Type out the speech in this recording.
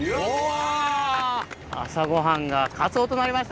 朝ごはんがカツオとなりました。